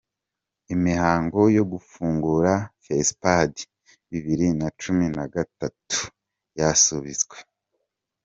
Imihango yo gufungura Fesipadi bibiri na cumi na gatatu yasubitswe